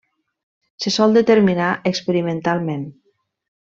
Se sol determinar experimentalment.